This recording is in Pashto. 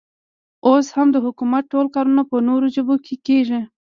اوس هم د حکومت ټول کارونه په نورو ژبو کې کېږي.